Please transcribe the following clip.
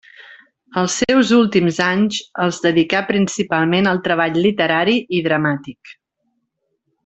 Els seus últims anys els dedicà principalment al treball literari i dramàtic.